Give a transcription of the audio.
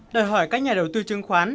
đòi hỏi các nhà đầu tư chứng khoán